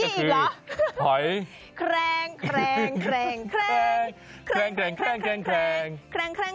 เขยี้ยอีกเหรอก็คือหอยแครง